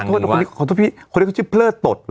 ขอโทษพี่ผสมต่อคนนี้ชื่อเพลิดตดหรอ